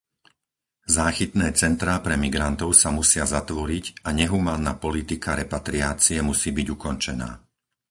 Záchytné centrá pre migrantov sa musia zatvoriť a nehumánna politika repatriácie musí byť ukončená.